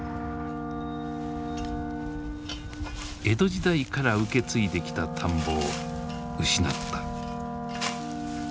江戸時代から受け継いできた田んぼを失った。